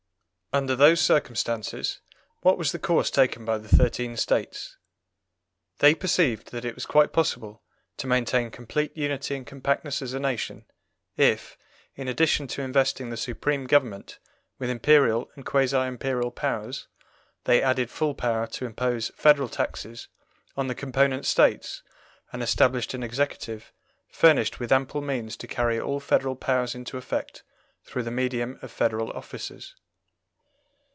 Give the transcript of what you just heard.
Under those circumstances, what was the course taken by the thirteen States? They perceived that it was quite possible to maintain complete unity and compactness as a nation if, in addition to investing the Supreme Government with Imperial and quasi Imperial powers, they added full power to impose federal taxes on the component States and established an Executive furnished with ample means to carry all federal powers into effect through the medium of federal officers.